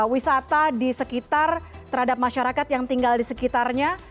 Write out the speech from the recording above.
wisata di sekitar terhadap masyarakat yang tinggal di sekitarnya